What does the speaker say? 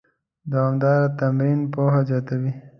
دوامداره تمرین پوهه زیاتوي.